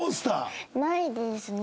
ないですね。